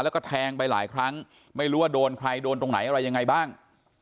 แล้วก็แทงไปหลายครั้งไม่รู้ว่าโดนใครโดนตรงไหนอะไรยังไงบ้าง